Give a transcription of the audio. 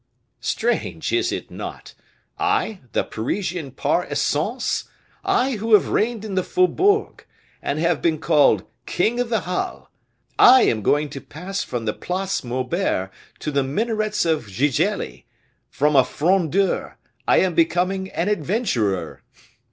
"Strange, is it not? I, the Parisian par essence, I who have reigned in the faubourgs, and have been called King of the Halles, I am going to pass from the Place Maubert to the minarets of Gigelli; from a Frondeur I am becoming an adventurer!"